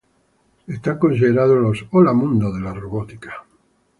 Son considerados los "Hola mundo" de la robótica.